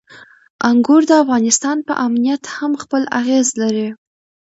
انګور د افغانستان په امنیت هم خپل اغېز لري.